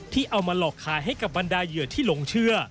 เอามาหลอกขายให้กับบรรดาเหยื่อที่หลงเชื่อ